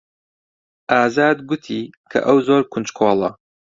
ئازاد گوتی کە ئەو زۆر کونجکۆڵە.